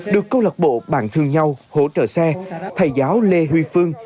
được câu lạc bộ bàn thương nhau hỗ trợ xe thầy giáo lê huy phương